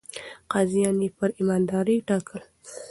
قاضيان يې پر ايماندارۍ ټاکل.